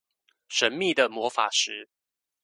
神秘的魔法石